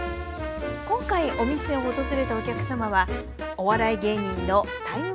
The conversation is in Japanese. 今回お店を訪れたお客様はお笑い芸人のタイムマシーン３号のお二人。